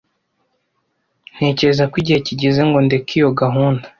Ntekereza ko igihe kigeze ngo ndeke iyo gahunda.